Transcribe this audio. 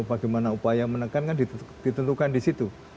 bagaimana upaya menekankan ditentukan di situ